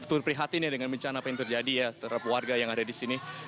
tapi harus diperhatikan dengan bencana apa yang terjadi ya terhadap warga yang ada disini